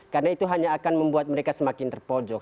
karena itu hanya akan membuat mereka semakin terpojok